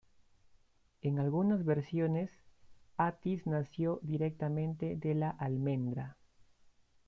En algunas versiones, Atis nació directamente de la almendra.